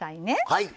はい。